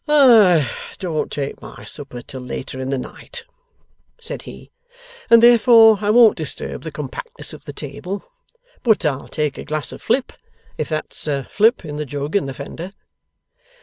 'I don't take my supper till later in the night,' said he, 'and therefore I won't disturb the compactness of the table. But I'll take a glass of flip, if that's flip in the jug in the fender.